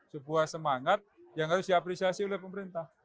sebuah semangat yang harus diapresiasi oleh pemerintah